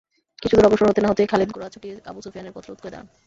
কিছুদূর অগ্রসর হতে না হতেই খালিদ ঘোড়া ছুটিয়ে আবু সুফিয়ানের পথ রোধ করে দাঁড়ান।